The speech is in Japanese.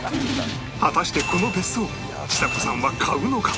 果たしてこの別荘ちさ子さんは買うのか？